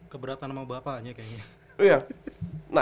keberatan sama bapaknya kayaknya